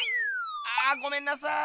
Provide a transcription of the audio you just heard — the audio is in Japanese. あごめんなさい。